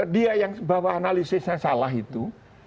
dia yang bahwa analisisnya salah itu